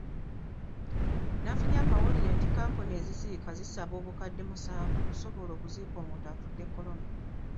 Nafunye amawulire nti kkampuni eziziika zisaba obukadde musanvu okusobola okuziika omuntu afudde Corona.